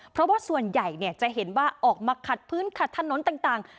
เพราะว่าส่วนใหญ่จะเห็นว่าออกมาขัดพื้นขัดถนนต่าง